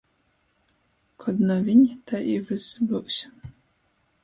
Kod naviņ tai i vyss byus.